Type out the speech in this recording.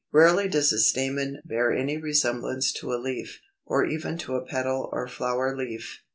288. Rarely does a stamen bear any resemblance to a leaf, or even to a petal or flower leaf.